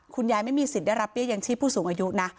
คุณยายไม่มีสิทธิ์ได้รับเบี้ยยังชีพผู้สูงอายุนะ